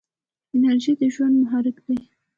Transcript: انرژي د ژوند محرک دی.